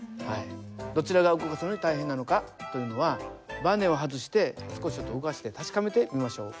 どちらが動かすのに大変なのかというのはバネを外して少しちょっと動かして確かめてみましょう。